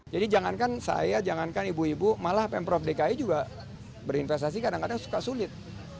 jadi jangankan saya jangankan ibu ibu malah pemprov dki juga berinvestasi kadang kadang suka sulit